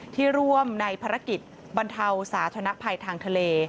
ที่ร่วมในภารกิจบรรเทาสาธนภัยทางทะเล